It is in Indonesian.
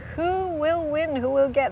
siapa yang akan mendapatkan harga satu juta